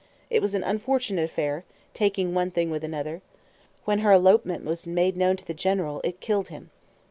It was an unfortunate affair, taking one thing with another. When her elopement was made known to the general, it killed him."